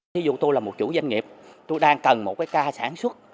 thí dụ tôi là một chủ doanh nghiệp tôi đang cần một cái ca sản xuất